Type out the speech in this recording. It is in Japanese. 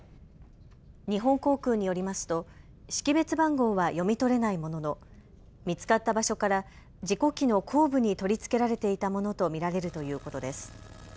日本航空によりますと識別番号は読み取れないものの見つかった場所から事故機の後部に取り付けられていたものと見られるということです。